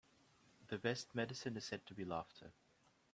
The best medicine is said to be laughter.